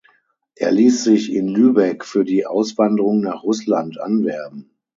Er ließ sich in Lübeck für die Auswanderung nach Russland anwerben.